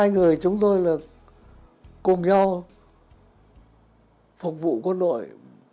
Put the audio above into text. hai người chúng tôi là cùng nhau phục vụ quân đội